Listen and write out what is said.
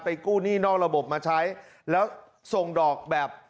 กู้หนี้นอกระบบมาใช้แล้วส่งดอกแบบ